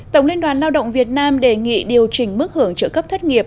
tổng liên đoàn lao động việt nam đề nghị điều chỉnh mức hưởng trợ cấp thất nghiệp